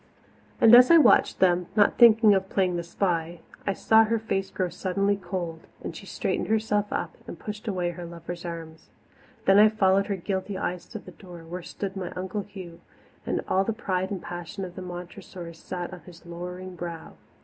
And as I watched them not thinking of playing the spy I saw her face grow suddenly cold, and she straightened herself up and pushed away her lover's arms. Then I followed her guilty eyes to the door, where stood my Uncle Hugh, and all the pride and passion of the Montressors sat on his lowering brow.